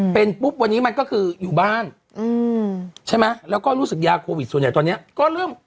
เป็นปุ๊บวันนี้มันก็คืออยู่บ้านอืมใช่ไหมแล้วก็รู้สึกยาโควิดส่วนใหญ่ตอนนี้ก็เริ่ม